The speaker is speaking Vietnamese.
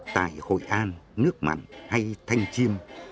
tại hội an nước mặn hay thanh chiêm